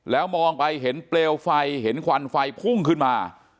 แล้วมองไปเห็นเปลวไฟเห็นควันไฟพุ่งขึ้นมา